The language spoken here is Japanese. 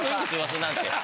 噂なんて。